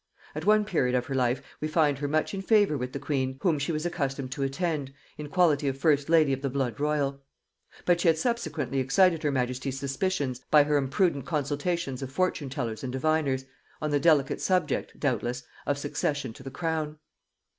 At one period of her life we find her much in favor with the queen, whom she was accustomed to attend in quality of first lady of the blood royal; but she had subsequently excited her majesty's suspicions by her imprudent consultations of fortune tellers and diviners, on the delicate subject, doubtless, of succession to the crown.